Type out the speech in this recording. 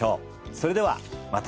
それではまた。